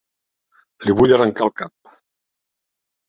Li vull arrencar el cap.